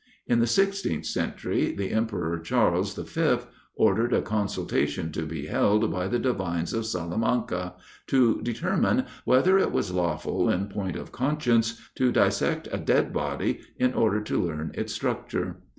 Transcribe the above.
In the 16th century, the Emperor, Charles the 5th, ordered a consultation to be held by the divines of Salamanca, to determine whether it was lawful, in point of conscience, to dissect a dead body in order to learn its structure.